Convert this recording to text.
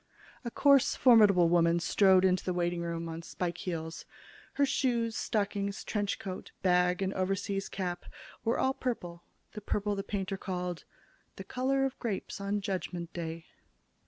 A coarse, formidable woman strode into the waiting room on spike heels. Her shoes, stockings, trench coat, bag and overseas cap were all purple, the purple the painter called "the color of grapes on Judgment Day."